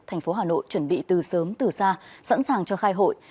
thành phố hà nội chuẩn bị từ sớm từ xa sẵn sàng cho khai hội